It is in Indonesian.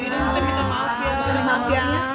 ya bu menik minta maaf ya